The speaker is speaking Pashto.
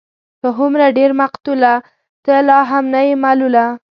په هومره ډېر مقتوله، ته لا هم نه يې ملوله